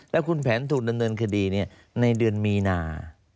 แล้วคุณแผนถูกดำเนินคดีในเดือนมีนา